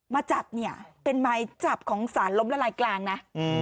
มาจับเนี่ยเป็นไม้จับของสารล้มละลายกลางนะ